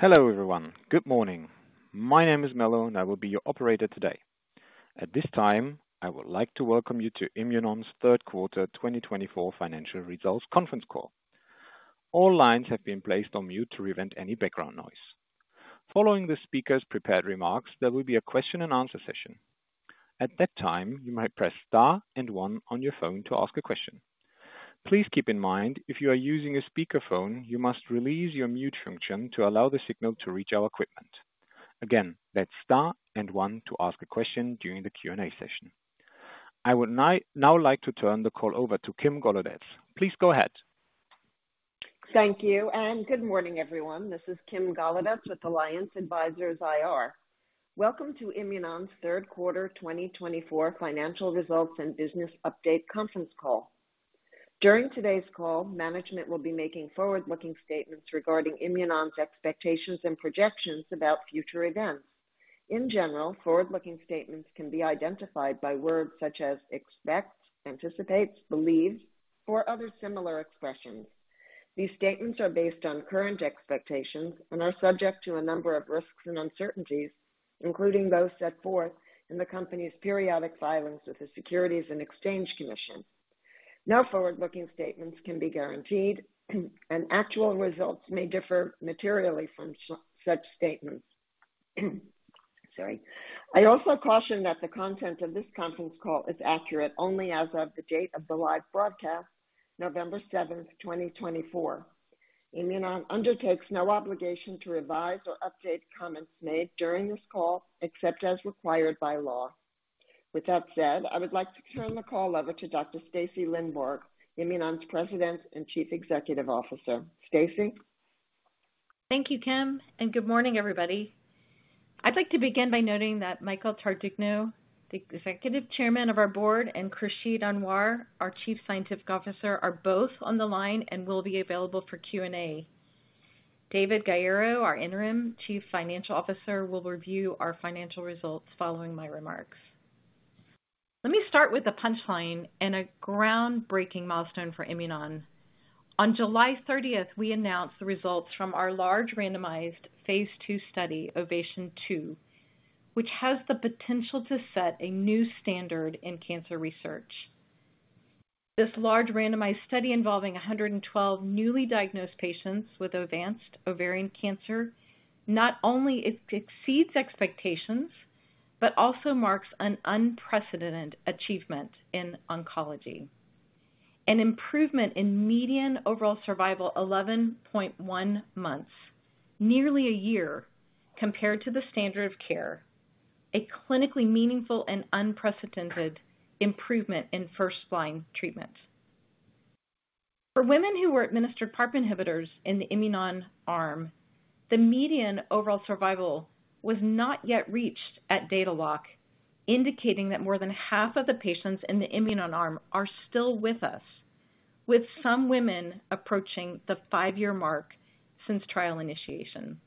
Hello everyone, good morning. My name is Mello, and I will be your operator today. At this time, I would like to welcome you to Imunon's third quarter 2024 financial results conference call. All lines have been placed on mute to prevent any background noise. Following the speaker's prepared remarks, there will be a question and answer session. At that time, you might press star and one on your phone to ask a question. Please keep in mind, if you are using a speakerphone, you must release your mute function to allow the signal to reach our equipment. Again, that's star and one to ask a question during the Q&A session. I would now like to turn the call over to Kim Golodetz. Please go ahead. Thank you, and good morning everyone. This is Kim Golodetz with Alliance Advisors IR. Welcome to Imunon's third quarter 2024 financial results and business update conference call. During today's call, management will be making forward-looking statements regarding Imunon's expectations and projections about future events. In general, forward-looking statements can be identified by words such as expects, anticipates, believes, or other similar expressions. These statements are based on current expectations and are subject to a number of risks and uncertainties, including those set forth in the company's periodic filings with the Securities and Exchange Commission. No forward-looking statements can be guaranteed, and actual results may differ materially from such statements. I also caution that the content of this conference call is accurate only as of the date of the live broadcast, November 7th, 2024. Imunon undertakes no obligation to revise or update comments made during this call, except as required by law. With that said, I would like to turn the call over to Dr. Stacy Lindborg, Imunon's President and Chief Executive Officer. Stacy. Thank you, Kim, and good morning everybody. I'd like to begin by noting that Michael Tardugno, the Executive Chairman of our board, and Khursheed Anwar, our Chief Scientific Officer, are both on the line and will be available for Q&A. David Gaiero, our Interim Chief Financial Officer, will review our financial results following my remarks. Let me start with a punchline and a groundbreaking milestone for Imunon. On July 30th, we announced the results from our large randomized phase two study, OVATION 2, which has the potential to set a new standard in cancer research. This large randomized study involving 112 newly diagnosed patients with advanced ovarian cancer not only exceeds expectations, but also marks an unprecedented achievement in oncology. An improvement in median overall survival: 11.1 months, nearly a year compared to the standard of care. A clinically meaningful and unprecedented improvement in first-line treatment. For women who were administered PARP inhibitors in the Imunon arm, the median overall survival was not yet reached at data lock, indicating that more than half of the patients in the Imunon arm are still with us, with some women approaching the five-year mark since trial initiation.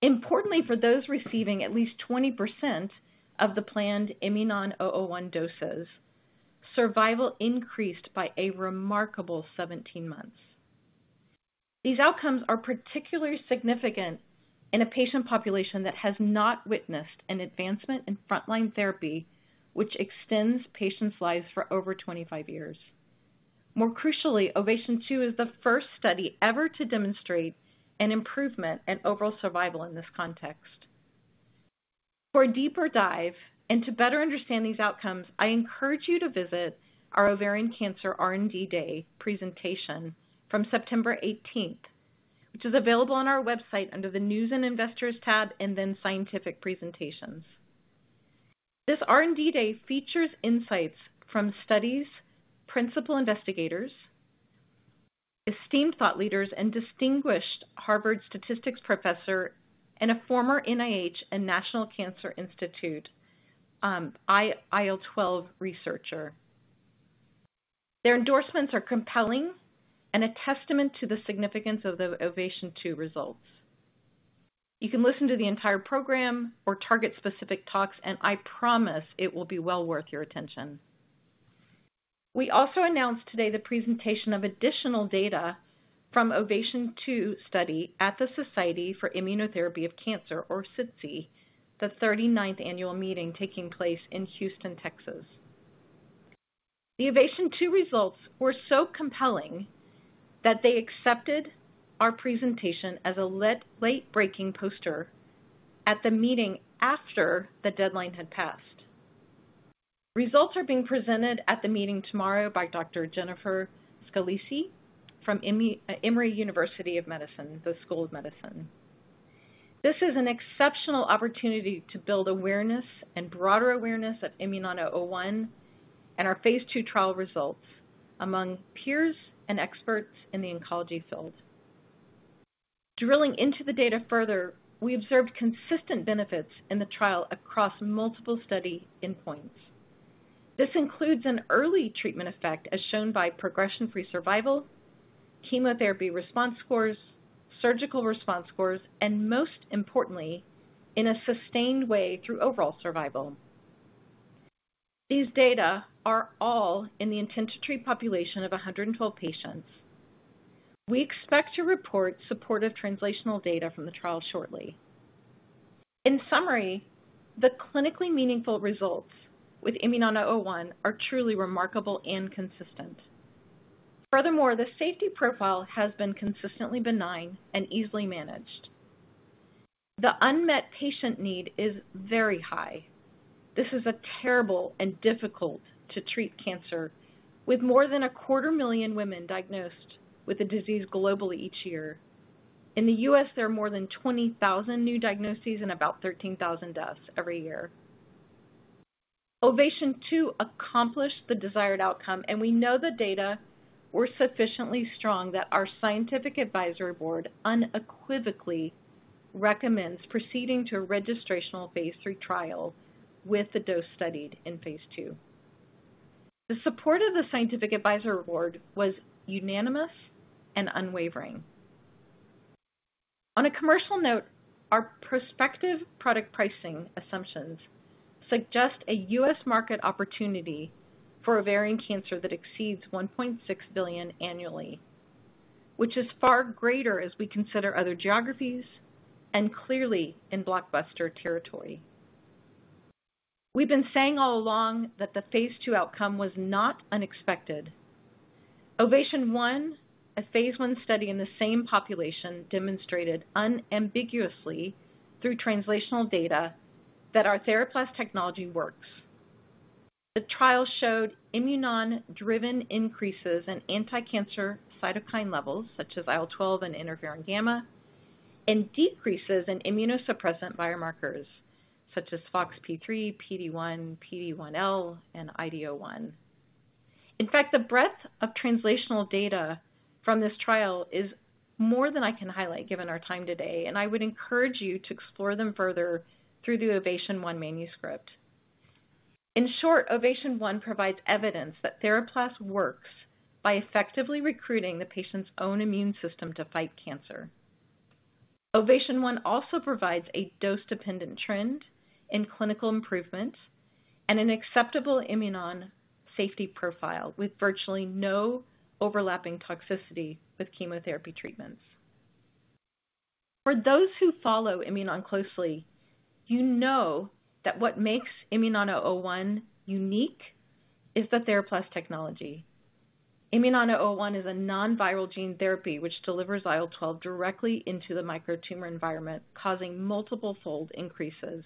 Importantly, for those receiving at least 20% of the planned IMNN-001 doses, survival increased by a remarkable 17 months. These outcomes are particularly significant in a patient population that has not witnessed an advancement in frontline therapy, which extends patients' lives for over 25 years. More crucially, OVATION 2 is the first study ever to demonstrate an improvement in overall survival in this context. For a deeper dive and to better understand these outcomes, I encourage you to visit our Ovarian Cancer R&D Day presentation from September 18th, which is available on our website under the News and Investors tab and then Scientific Presentations. This R&D Day features insights from studies, principal investigators, esteemed thought leaders, and distinguished Harvard statistics professor and a former NIH and National Cancer Institute IL-12 researcher. Their endorsements are compelling and a testament to the significance of the OVATION 2 results. You can listen to the entire program or target specific talks, and I promise it will be well worth your attention. We also announced today the presentation of additional data from the OVATION 2 study at the Society for Immunotherapy of Cancer, or SITC, the 39th annual meeting taking place in Houston, Texas. The OVATION 2 results were so compelling that they accepted our presentation as a late-breaking poster at the meeting after the deadline had passed. Results are being presented at the meeting tomorrow by Dr. Jennifer Scalici from Emory University School of Medicine. This is an exceptional opportunity to build awareness and broader awareness of IMNN-001 and our phase two trial results among peers and experts in the oncology field. Drilling into the data further, we observed consistent benefits in the trial across multiple study endpoints. This includes an early treatment effect, as shown by progression-free survival, chemotherapy response scores, surgical response scores, and most importantly, in a sustained way through overall survival. These data are all in the intent-to-treat population of 112 patients. We expect to report supportive translational data from the trial shortly. In summary, the clinically meaningful results with IMNN-001 are truly remarkable and consistent. Furthermore, the safety profile has been consistently benign and easily managed. The unmet patient need is very high. This is a terrible and difficult-to-treat cancer, with more than a quarter million women diagnosed with the disease globally each year. In the U.S., there are more than 20,000 new diagnoses and about 13,000 deaths every year. OVATION 2 accomplished the desired outcome, and we know the data were sufficiently strong that our scientific advisory board unequivocally recommends proceeding to a registrational phase three trial with the dose studied in phase two. The support of the scientific advisory board was unanimous and unwavering. On a commercial note, our prospective product pricing assumptions suggest a U.S. market opportunity for ovarian cancer that exceeds $1.6 billion annually, which is far greater as we consider other geographies and clearly in blockbuster territory. We've been saying all along that the phase two outcome was not unexpected. OVATION 1, a phase one study in the same population, demonstrated unambiguously through translational data that our TheraPlas technology works. The trial showed Imunon-driven increases in anti-cancer cytokine levels, such as IL-12 and interferon gamma, and decreases in immunosuppressant biomarkers, such as FOXP3, PD-1, PD-L1, and IDO1. In fact, the breadth of translational data from this trial is more than I can highlight given our time today, and I would encourage you to explore them further through the OVATION 1 manuscript. In short, OVATION 1 provides evidence that TheraPlas works by effectively recruiting the patient's own immune system to fight cancer. OVATION 1 also provides a dose-dependent trend in clinical improvement and an acceptable Imunon safety profile with virtually no overlapping toxicity with chemotherapy treatments. For those who follow Imunon closely, you know that what makes IMNN-001 unique is the TheraPlas technology. IMNN-001 is a non-viral gene therapy which delivers IL-12 directly into the tumor microenvironment, causing multiple-fold increases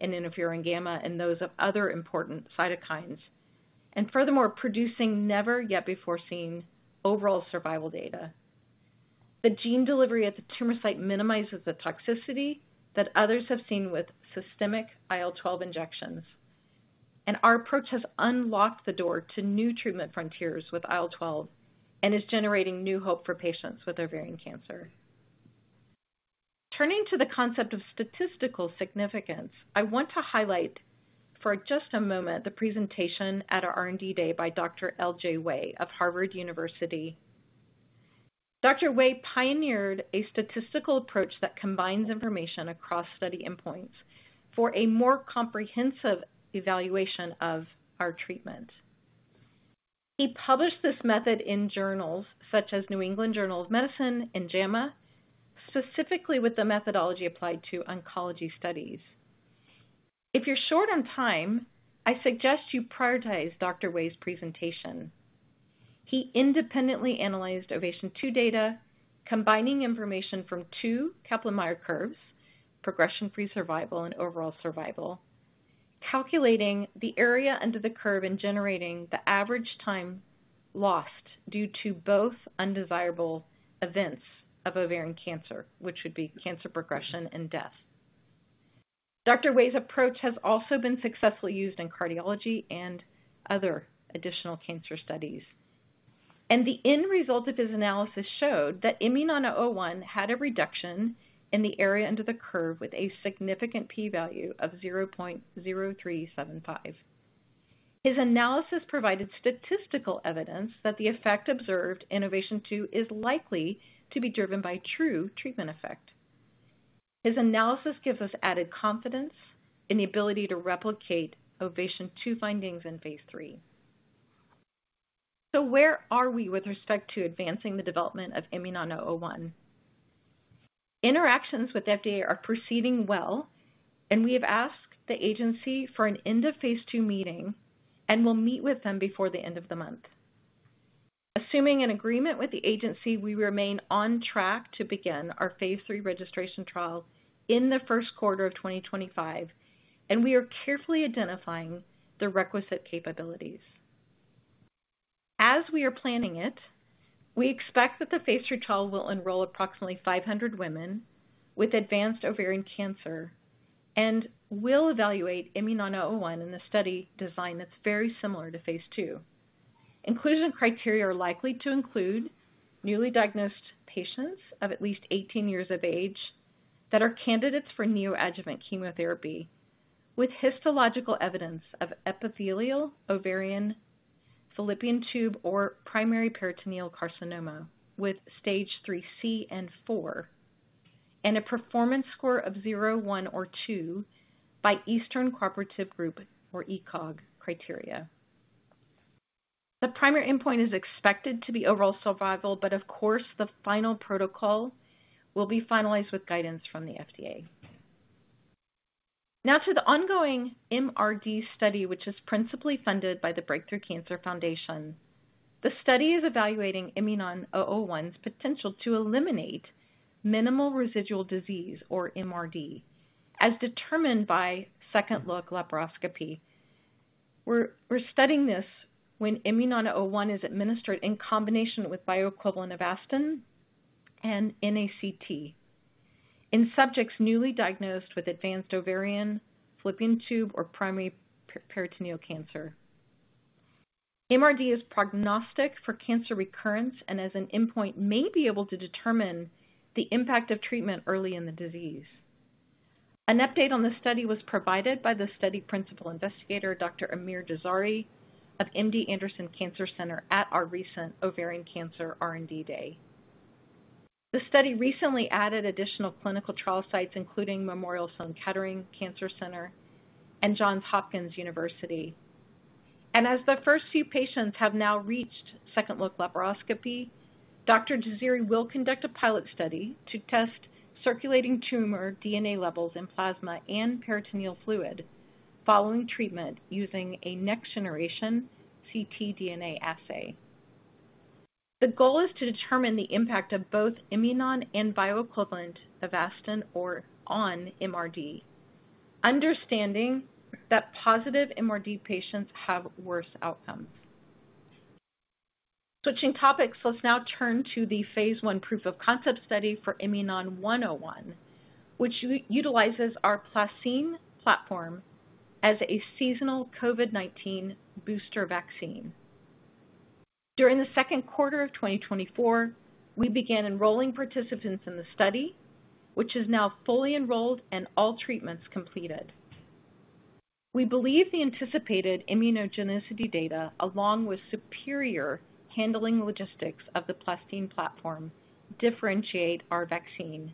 in interferon gamma and those of other important cytokines, and furthermore producing never yet before seen overall survival data. The gene delivery at the tumor site minimizes the toxicity that others have seen with systemic IL-12 injections, and our approach has unlocked the door to new treatment frontiers with IL-12 and is generating new hope for patients with ovarian cancer. Turning to the concept of statistical significance, I want to highlight for just a moment the presentation at our R&D Day by Dr. L.J. Wei of Harvard University. Dr. Wei pioneered a statistical approach that combines information across study endpoints for a more comprehensive evaluation of our treatment. He published this method in journals such as New England Journal of Medicine and JAMA, specifically with the methodology applied to oncology studies. If you're short on time, I suggest you prioritize Dr. Wei's presentation. He independently analyzed OVATION 2 data, combining information from two Kaplan-Meier curves, progression-free survival and overall survival, calculating the area under the curve and generating the average time lost due to both undesirable events of ovarian cancer, which would be cancer progression and death. Dr. Wei's approach has also been successfully used in cardiology and other additional cancer studies, and the end result of his analysis showed that IMNN-001 had a reduction in the area under the curve with a significant p-value of 0.0375. His analysis provided statistical evidence that the effect observed in OVATION 2 is likely to be driven by true treatment effect. His analysis gives us added confidence in the ability to replicate OVATION 2 findings in phase three. So where are we with respect to advancing the development of IMNN-001? Interactions with FDA are proceeding well, and we have asked the agency for an end of phase two meeting and will meet with them before the end of the month. Assuming an agreement with the agency, we remain on track to begin our phase three registration trial in the first quarter of 2025, and we are carefully identifying the requisite capabilities. As we are planning it, we expect that the phase three trial will enroll approximately 500 women with advanced ovarian cancer and will evaluate IMNN-001 in a study design that's very similar to phase two. Inclusion criteria are likely to include newly diagnosed patients of at least 18 years of age that are candidates for neoadjuvant chemotherapy with histological evidence of epithelial ovarian, fallopian tube, or primary peritoneal carcinoma with Stage IIIC and IV, and a performance score of zero, one, or two by Eastern Cooperative Oncology Group, or ECOG, criteria. The primary endpoint is expected to be overall survival, but of course, the final protocol will be finalized with guidance from the FDA. Now to the ongoing MRD study, which is principally funded by the Breakthrough Cancer Foundation. The study is evaluating IMNN-001's potential to eliminate minimal residual disease, or MRD, as determined by second-look laparoscopy. We're studying this when IMNN-001 is administered in combination with bioequivalent Avastin and NACT in subjects newly diagnosed with advanced ovarian, fallopian tube, or primary peritoneal cancer. MRD is prognostic for cancer recurrence and as an endpoint may be able to determine the impact of treatment early in the disease. An update on the study was provided by the study principal investigator, Dr. Amir A. Jazaeri, of MD Anderson Cancer Center at our recent ovarian cancer R&D Day. The study recently added additional clinical trial sites, including Memorial Sloan Kettering Cancer Center and Johns Hopkins University. As the first few patients have now reached second-look laparoscopy, Dr. Jazaeri will conduct a pilot study to test circulating tumor DNA levels in plasma and peritoneal fluid following treatment using a next-generation ctDNA assay. The goal is to determine the impact of both IMNN-001 and bioequivalent Avastin on MRD, understanding that positive MRD patients have worse outcomes. Switching topics, let's now turn to the phase one proof of concept study for IMNN-101, which utilizes our PlaCCine platform as a seasonal COVID-19 booster vaccine. During the second quarter of 2024, we began enrolling participants in the study, which is now fully enrolled and all treatments completed. We believe the anticipated immunogenicity data, along with superior handling logistics of the PlaCCine platform, differentiate our vaccine,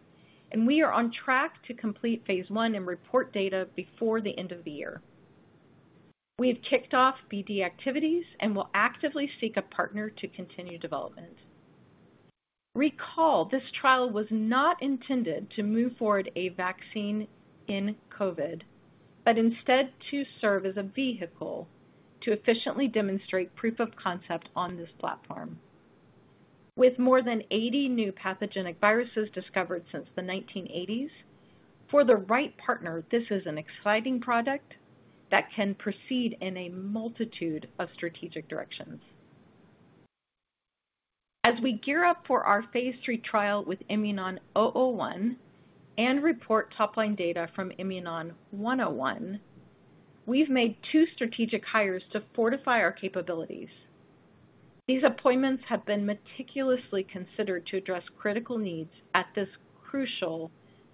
and we are on track to complete phase one and report data before the end of the year. We have kicked off BD activities and will actively seek a partner to continue development. Recall this trial was not intended to move forward a vaccine in COVID, but instead to serve as a vehicle to efficiently demonstrate proof of concept on this platform. With more than 80 new pathogenic viruses discovered since the 1980s, for the right partner, this is an exciting product that can proceed in a multitude of strategic directions. As we gear up for our phase three trial with IMNN-001 and report topline data from IMNN-101, we've made two strategic hires to fortify our capabilities. These appointments have been meticulously considered to address critical needs at this crucial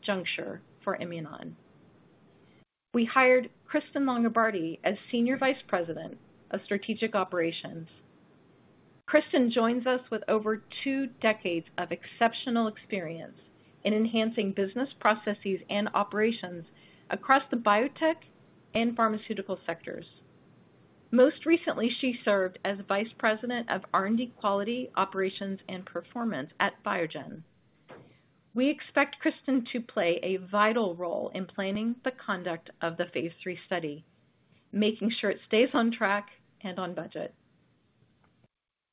juncture for Imunon. We hired Kristen Longobardi as Senior Vice President of Strategic Operations. Kristen joins us with over two decades of exceptional experience in enhancing business processes and operations across the biotech and pharmaceutical sectors. Most recently, she served as Vice President of R&D, Quality, Operations, and Performance at Biogen. We expect Kristen to play a vital role in planning the conduct of the phase three study, making sure it stays on track and on budget.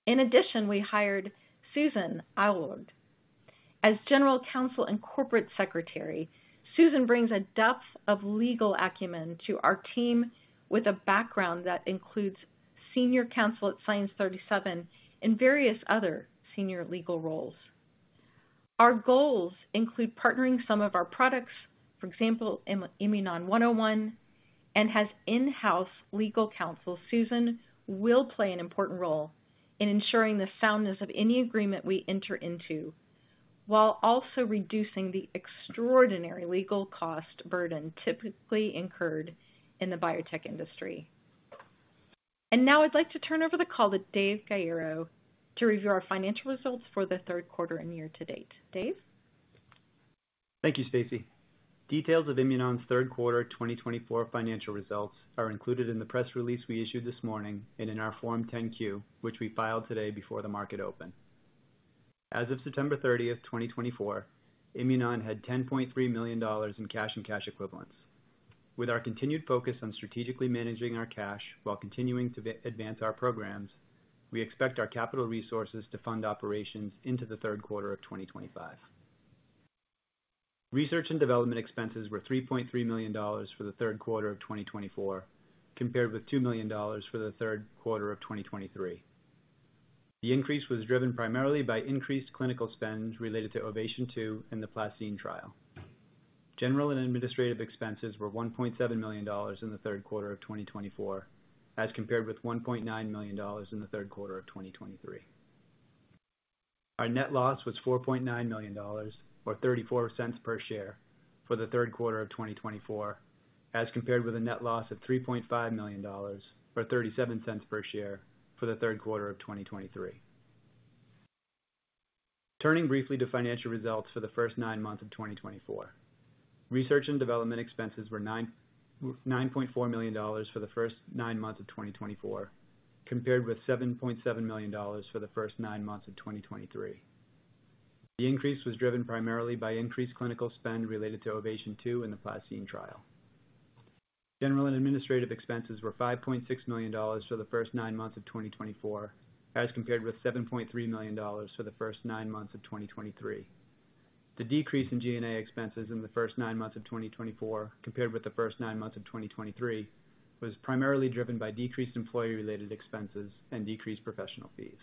In addition, we hired Susan Eilhardt as General Counsel and Corporate Secretary. Susan brings a depth of legal acumen to our team with a background that includes senior counsel at Science 37 and various other senior legal roles. Our goals include partnering some of our products, for example, IMNN-101, and has in-house legal counsel. Susan will play an important role in ensuring the soundness of any agreement we enter into, while also reducing the extraordinary legal cost burden typically incurred in the biotech industry. And now I'd like to turn over the call to Dave Gaiero to review our financial results for the third quarter and year to date. Dave? Thank you, Stacy. Details of Imunon's third quarter 2024 financial results are included in the press release we issued this morning and in our Form 10-Q, which we filed today before the market open. As of September 30th, 2024, Imunon had $10.3 million in cash and cash equivalents. With our continued focus on strategically managing our cash while continuing to advance our programs, we expect our capital resources to fund operations into the third quarter of 2025. Research and development expenses were $3.3 million for the third quarter of 2024, compared with $2 million for the third quarter of 2023. The increase was driven primarily by increased clinical spends related to OVATION 2 and the PlaCCine trial. General and administrative expenses were $1.7 million in the third quarter of 2024, as compared with $1.9 million in the third quarter of 2023. Our net loss was $4.9 million, or $0.34 per share for the third quarter of 2024, as compared with a net loss of $3.5 million, or $0.37 per share for the third quarter of 2023. Turning briefly to financial results for the first nine months of 2024, research and development expenses were $9.4 million for the first nine months of 2024, compared with $7.7 million for the first nine months of 2023. The increase was driven primarily by increased clinical spend related to OVATION 2 and the PlaCCine trial. General and administrative expenses were $5.6 million for the first nine months of 2024, as compared with $7.3 million for the first nine months of 2023. The decrease in G&A expenses in the first nine months of 2024, compared with the first nine months of 2023, was primarily driven by decreased employee-related expenses and decreased professional fees.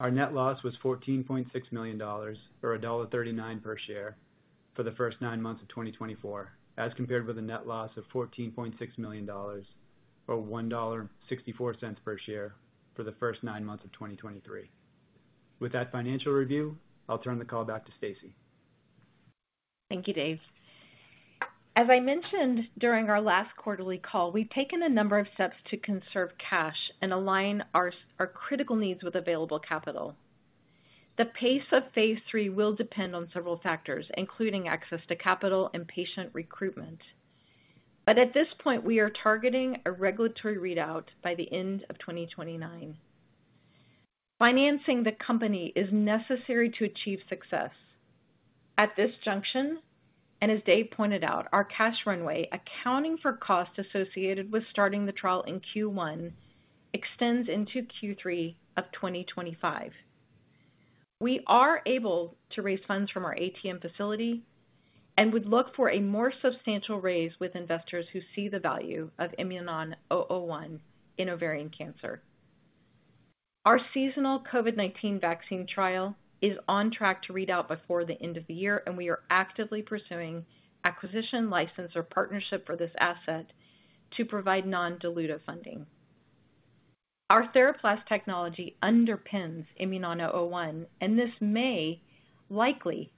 Our net loss was $14.6 million, or $1.39 per share for the first nine months of 2024, as compared with a net loss of $14.6 million, or $1.64 per share for the first nine months of 2023. With that financial review, I'll turn the call back to Stacy. Thank you, Dave. As I mentioned during our last quarterly call, we've taken a number of steps to conserve cash and align our critical needs with available capital. The pace of phase three will depend on several factors, including access to capital and patient recruitment. But at this point, we are targeting a regulatory readout by the end of 2029. Financing the company is necessary to achieve success. At this junction, and as Dave pointed out, our cash runway, accounting for costs associated with starting the trial in Q1, extends into Q3 of 2025. We are able to raise funds from our ATM facility and would look for a more substantial raise with investors who see the value of IMNN-001 in ovarian cancer. Our seasonal COVID-19 vaccine trial is on track to readout before the end of the year, and we are actively pursuing acquisition, license, or partnership for this asset to provide non-dilutive funding. Our TheraPlas technology underpins IMNN-001, and this may, likely,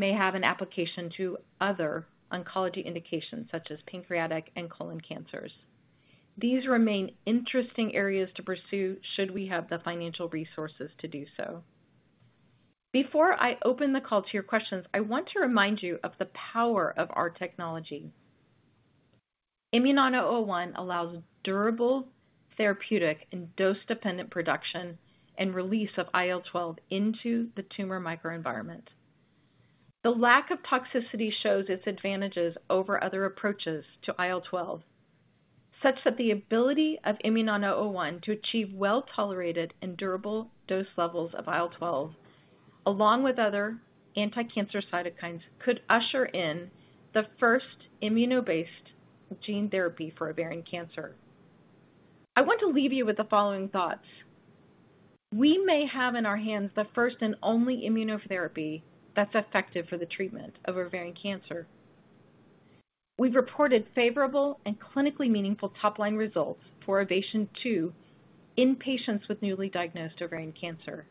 have an application to other oncology indications, such as pancreatic and colon cancers. These remain interesting areas to pursue should we have the financial resources to do so. Before I open the call to your questions, I want to remind you of the power of our technology. IMNN-001 allows durable therapeutic and dose-dependent production and release of IL-12 into the tumor microenvironment. The lack of toxicity shows its advantages over other approaches to IL-12, such that the ability of IMNN-001 to achieve well-tolerated and durable dose levels of IL-12, along with other anti-cancer cytokines, could usher in the first immuno-based gene therapy for ovarian cancer. I want to leave you with the following thoughts. We may have in our hands the first and only immunotherapy that's effective for the treatment of ovarian cancer. We've reported favorable and clinically meaningful topline results for OVATION 2 in patients with newly diagnosed ovarian cancer.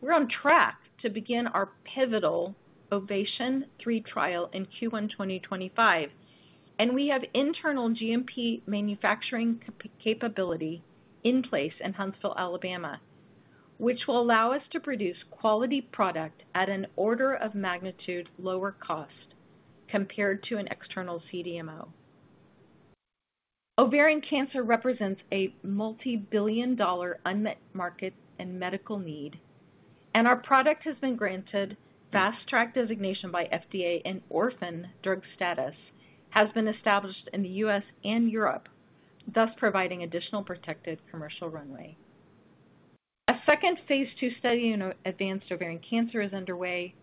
We're on track to begin our pivotal OVATION 3 trial in Q1 2025, and we have internal GMP manufacturing capability in place in Huntsville, Alabama, which will allow us to produce quality product at an order of magnitude lower cost compared to an external CDMO. Ovarian cancer represents a multi-billion dollar unmet market and medical need, and our product has been granted Fast Track designation by FDA, and Orphan Drug status has been established in the U.S. and Europe, thus providing additional protected commercial runway. A second phase two study in advanced ovarian cancer is underway,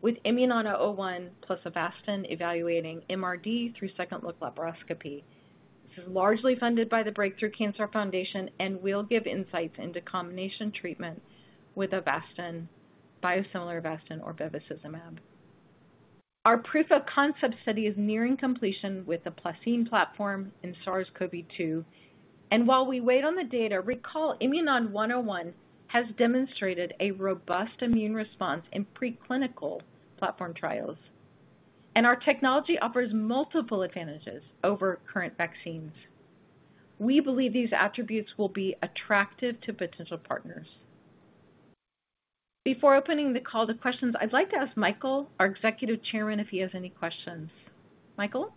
with IMNN-001 plus Avastin evaluating MRD through second-look laparoscopy. This is largely funded by the Breakthrough Cancer Foundation and will give insights into combination treatment with Avastin, biosimilar Avastin, or bevacizumab. Our proof of concept study is nearing completion with the PlaCCine platform and SARS-CoV-2. And while we wait on the data, recall IMNN-101 has demonstrated a robust immune response in preclinical platform trials, and our technology offers multiple advantages over current vaccines. We believe these attributes will be attractive to potential partners. Before opening the call to questions, I'd like to ask Michael, our Executive Chairman, if he has any questions. Michael?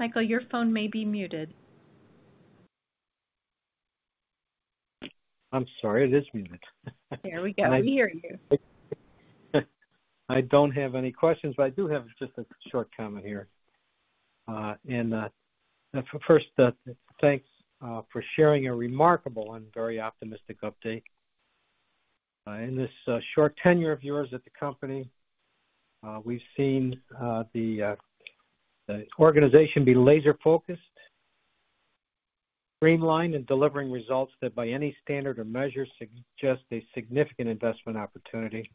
Michael, your phone may be muted. I'm sorry, it is muted. There we go. We hear you. I don't have any questions, but I do have just a short comment here. First, thanks for sharing a remarkable and very optimistic update. In this short tenure of yours at the company, we've seen the organization be laser-focused, streamlined, and delivering results that, by any standard or measure, suggest a significant investment opportunity.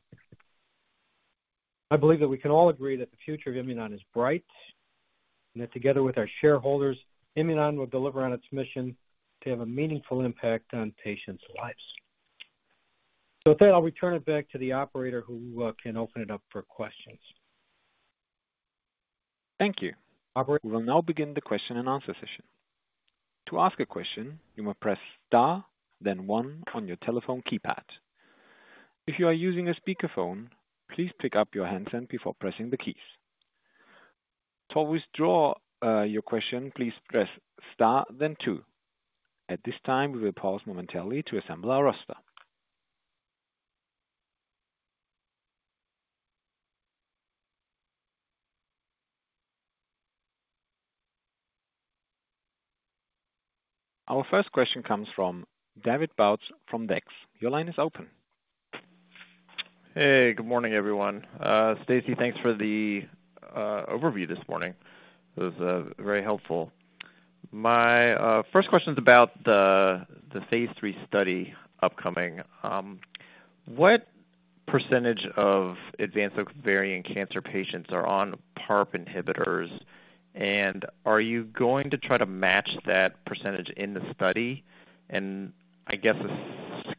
I believe that we can all agree that the future of Imunon is bright and that, together with our shareholders, Imunon will deliver on its mission to have a meaningful impact on patients' lives. With that, I'll return it back to the operator who can open it up for questions. Thank you, we will now begin the question and answer session. To ask a question, you must press star, then one on your telephone keypad. If you are using a speakerphone, please pick up your handset before pressing the keys. To withdraw your question, please press star, then two. At this time, we will pause momentarily to assemble our roster. Our first question comes from David Bautz from Zacks. Your line is open. Hey, good morning, everyone. Stacy, thanks for the overview this morning. It was very helpful. My first question is about the phase three study upcoming. What percentage of advanced ovarian cancer patients are on PARP inhibitors? And are you going to try to match that percentage in the study? And I guess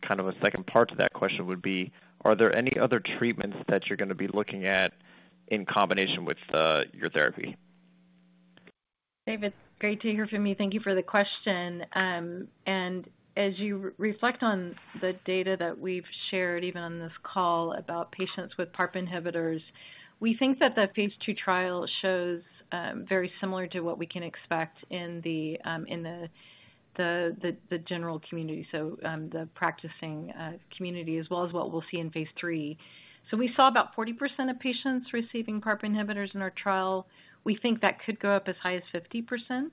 kind of a second part to that question would be, are there any other treatments that you're going to be looking at in combination with your therapy? David, great to hear from you. Thank you for the question. As you reflect on the data that we've shared, even on this call, about patients with PARP inhibitors, we think that the phase two trial shows very similar to what we can expect in the general community, so the practicing community, as well as what we'll see in phase three. So we saw about 40% of patients receiving PARP inhibitors in our trial. We think that could go up as high as 50%.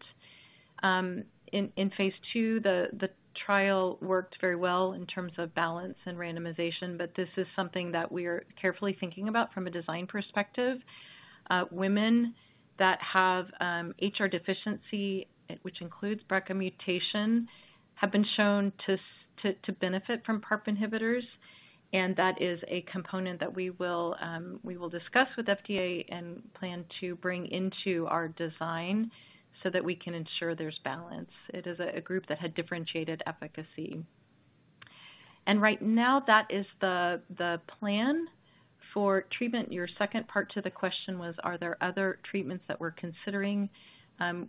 In phase two, the trial worked very well in terms of balance and randomization, but this is something that we are carefully thinking about from a design perspective. Women that have HR deficiency, which includes BRCA mutation, have been shown to benefit from PARP inhibitors, and that is a component that we will discuss with FDA and plan to bring into our design so that we can ensure there's balance. It is a group that had differentiated efficacy, and right now, that is the plan for treatment. Your second part to the question was, are there other treatments that we're considering?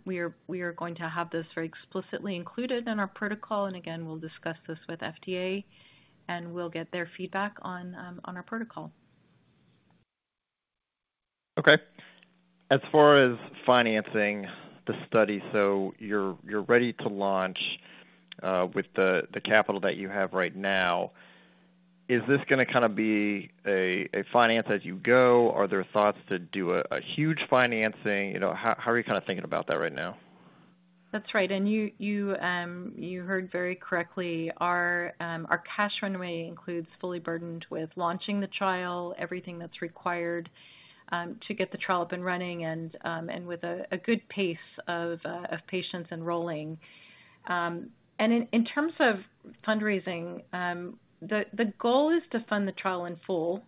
We are going to have this very explicitly included in our protocol, and again, we'll discuss this with FDA, and we'll get their feedback on our protocol. Okay. As far as financing the study, so you're ready to launch with the capital that you have right now, is this going to kind of be a finance as you go? Are there thoughts to do a huge financing? How are you kind of thinking about that right now? That's right, and you heard very correctly, our cash runway includes fully burdened with launching the trial, everything that's required to get the trial up and running, and with a good pace of patients enrolling. In terms of fundraising, the goal is to fund the trial in full,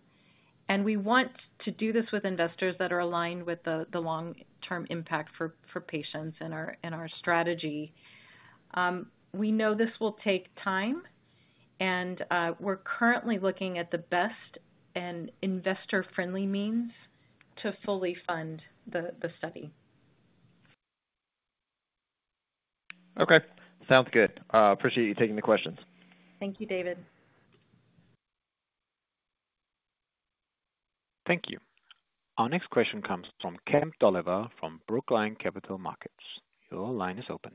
and we want to do this with investors that are aligned with the long-term impact for patients in our strategy. We know this will take time, and we're currently looking at the best and investor-friendly means to fully fund the study. Okay. Sounds good. Appreciate you taking the questions. Thank you, David. Thank you. Our next question comes from Kemp Dolliver from Brookline Capital Markets. Your line is open.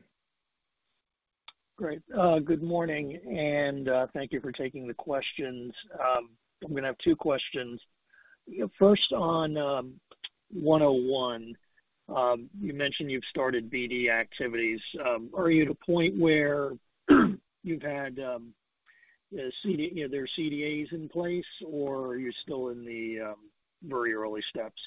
Great. Good morning, and thank you for taking the questions. I'm going to have two questions. First, on 101, you mentioned you've started BD activities. Are you at a point where you've had their CDAs in place, or are you still in the very early steps?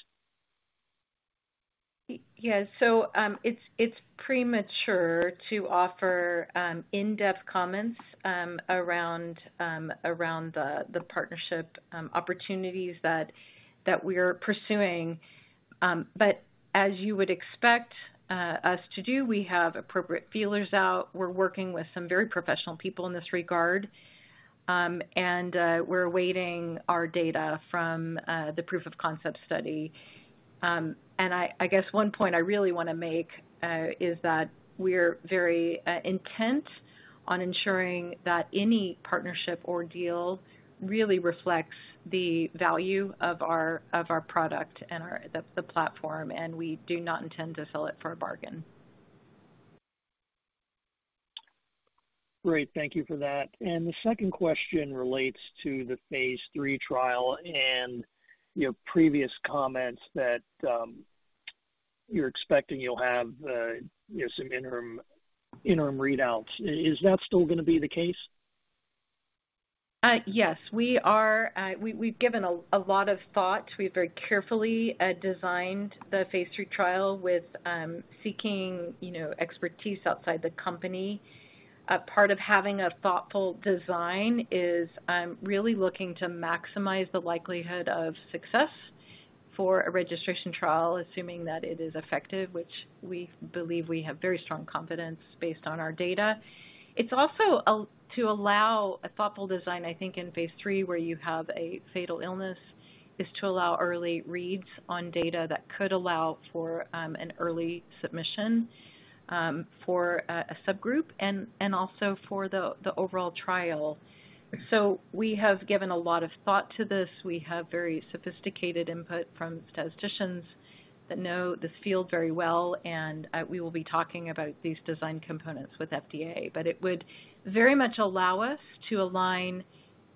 Yeah. So it's premature to offer in-depth comments around the partnership opportunities that we're pursuing. But as you would expect us to do, we have appropriate feelers out. We're working with some very professional people in this regard, and we're awaiting our data from the proof of concept study. And I guess one point I really want to make is that we're very intent on ensuring that any partnership or deal really reflects the value of our product and the platform, and we do not intend to sell it for a bargain. Great. Thank you for that. And the second question relates to the phase three trial and your previous comments that you're expecting you'll have some interim readouts. Is that still going to be the case? Yes. We've given a lot of thought. We've very carefully designed the phase three trial with seeking expertise outside the company. Part of having a thoughtful design is really looking to maximize the likelihood of success for a registration trial, assuming that it is effective, which we believe we have very strong confidence based on our data. It's also to allow a thoughtful design, I think, in phase three where you have a fatal illness, is to allow early reads on data that could allow for an early submission for a subgroup and also for the overall trial. So we have given a lot of thought to this. We have very sophisticated input from statisticians that know this field very well, and we will be talking about these design components with FDA. But it would very much allow us to align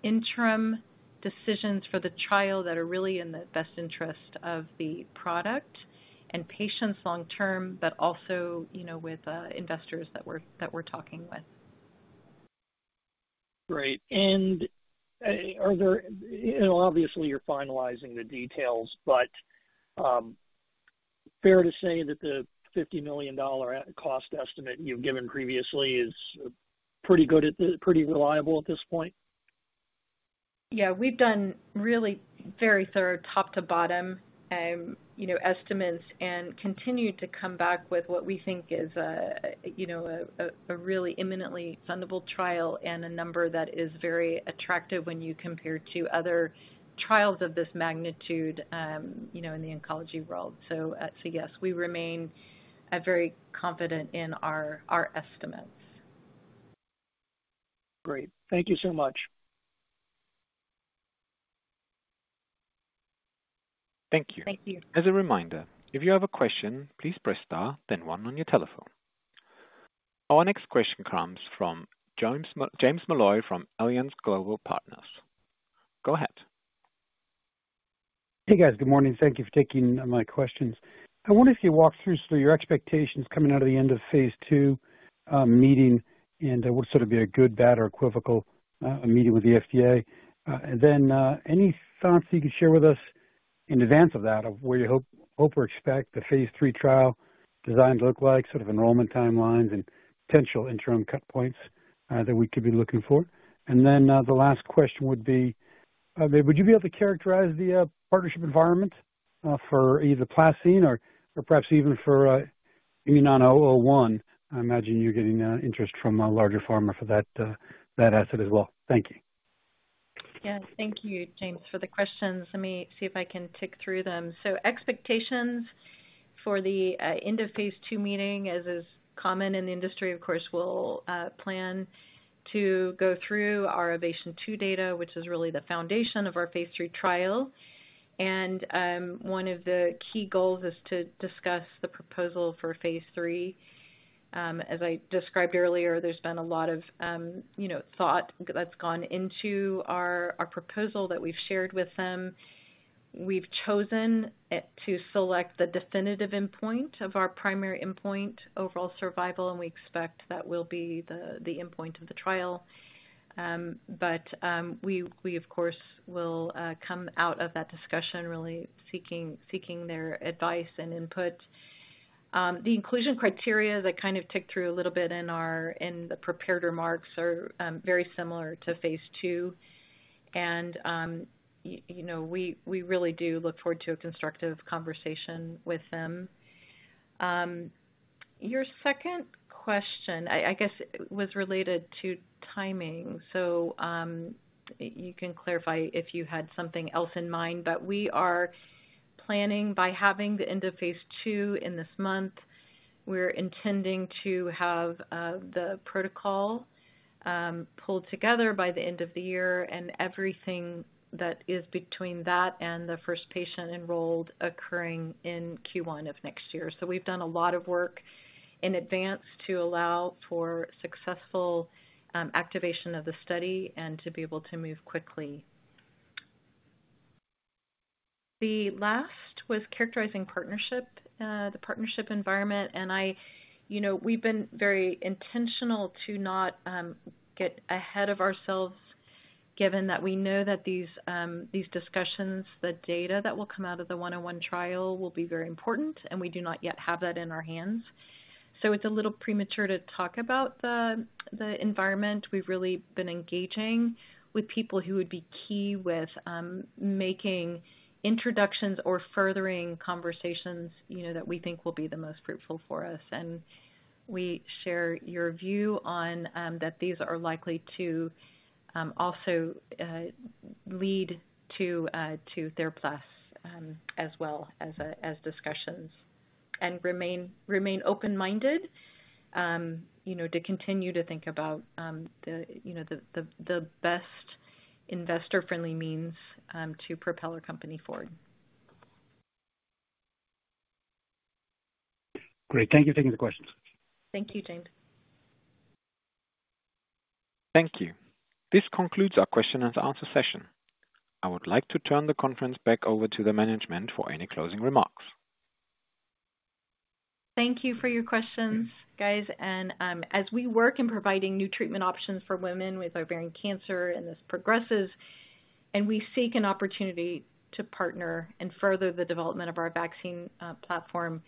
interim decisions for the trial that are really in the best interest of the product and patients long-term, but also with investors that we're talking with. Great. And obviously, you're finalizing the details, but fair to say that the $50 million cost estimate you've given previously is pretty good, pretty reliable at this point? Yeah. We've done really very thorough top-to-bottom estimates and continue to come back with what we think is a really imminently fundable trial and a number that is very attractive when you compare to other trials of this magnitude in the oncology world. So yes, we remain very confident in our estimates. Great. Thank you so much. Thank you. Thank you. As a reminder, if you have a question, please press star, then one on your telephone. Our next question comes from James Molloy from Alliance Global Partners. Go ahead. Hey, guys. Good morning. Thank you for taking my questions. I wonder if you walk through sort of your expectations coming out of the end of phase two meeting and what sort of be a good, bad, or equivocal meeting with the FDA. And then any thoughts you could share with us in advance of that of where you hope or expect the phase three trial design to look like, sort of enrollment timelines and potential interim cut points that we could be looking for. And then the last question would be, would you be able to characterize the partnership environment for either PlaCCine or perhaps even for IMNN-001? I imagine you're getting interest from a larger pharma for that asset as well. Thank you. Yeah. Thank you, James, for the questions. Let me see if I can tick through them. Expectations for the end of phase two meeting, as is common in the industry, of course, we'll plan to go through our OVATION 2 data, which is really the foundation of our phase three trial. One of the key goals is to discuss the proposal for phase three. As I described earlier, there's been a lot of thought that's gone into our proposal that we've shared with them. We've chosen to select the definitive endpoint of our primary endpoint, overall survival, and we expect that will be the endpoint of the trial. We, of course, will come out of that discussion really seeking their advice and input. The inclusion criteria that kind of ticked through a little bit in the prepared remarks are very similar to phase two, and we really do look forward to a constructive conversation with them. Your second question, I guess, was related to timing, so you can clarify if you had something else in mind, but we are planning by having the end of phase two in this month. We're intending to have the protocol pulled together by the end of the year and everything that is between that and the first patient enrolled occurring in Q1 of next year. So we've done a lot of work in advance to allow for successful activation of the study and to be able to move quickly. The last was characterizing the partnership environment, and we've been very intentional to not get ahead of ourselves, given that we know that these discussions, the data that will come out of the 101 trial will be very important, and we do not yet have that in our hands, so it's a little premature to talk about the environment. We've really been engaging with people who would be key with making introductions or furthering conversations that we think will be the most fruitful for us. And we share your view on that. These are likely to also lead to their path as well as discussions. And remain open-minded to continue to think about the best investor-friendly means to propel our company forward. Great. Thank you for taking the questions. Thank you, James. Thank you. This concludes our question and answer session. I would like to turn the conference back over to the management for any closing remarks. Thank you for your questions, guys. As we work in providing new treatment options for women with ovarian cancer and this progresses, and we seek an opportunity to partner and further the development of our vaccine platform,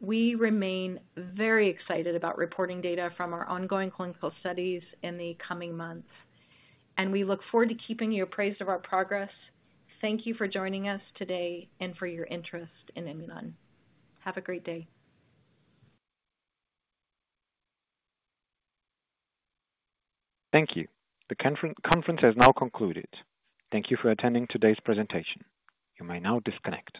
we remain very excited about reporting data from our ongoing clinical studies in the coming months. We look forward to keeping you appraised of our progress. Thank you for joining us today and for your interest in Imunon. Have a great day. Thank you. The conference has now concluded. Thank you for attending today's presentation. You may now disconnect.